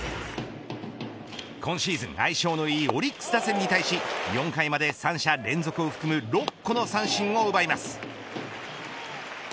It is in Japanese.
今シーズン、相性のいいオリックス打線に対し４回まで３者連続を含む６個の三振を奪います。